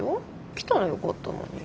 来たらよかったのに。